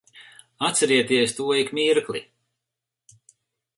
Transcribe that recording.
Atcerieties to ik mirkli.